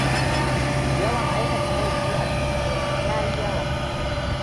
Yawan aikata laifi a cikin birni ya yi yawa.